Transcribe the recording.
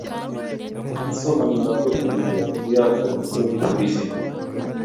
Somani lagok mutyo, koyotokistos bukuisiek